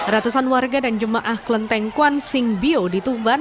ratusan warga dan jemaah klenteng kwan sing biotuban